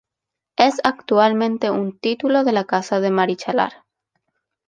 Es actualmente un título de la Casa de Marichalar.